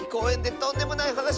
とんでもないはなし？